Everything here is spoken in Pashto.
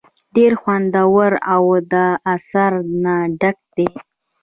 ډېر خوندور او د اثر نه ډک دے ۔